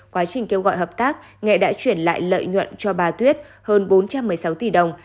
quá trình kêu gọi hợp tác nghệ đã chuyển lại lợi nhuận cho bà tuyết hơn bốn trăm một mươi sáu tỷ đồng